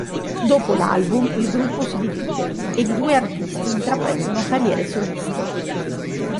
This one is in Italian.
Dopo l'album il gruppo si divide, ed i due artisti intraprendono carriere soliste.